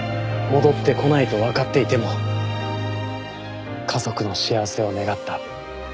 戻ってこないとわかっていても家族の幸せを願った。